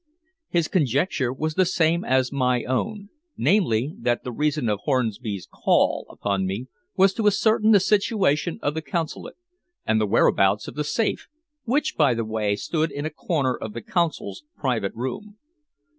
His conjecture was the same as my own, namely, that the reason of Hornby's call upon me was to ascertain the situation of the Consulate and the whereabouts of the safe, which, by the way, stood in a corner of the Consul's private room.